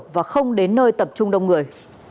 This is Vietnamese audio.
và không đến nơi tập trung đông người